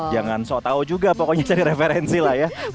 dengan so tau juga pokoknya cari referensi lah ya